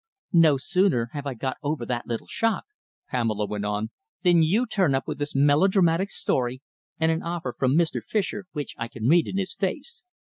"No sooner have I got over that little shock," Pamela went on, "than you turn up with this melodramatic story, and an offer from Mr. Fischer, which I can read in his face.